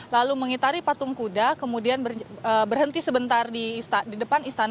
lalu mengitari patung kuda kemudian berhenti sebentar di depan istana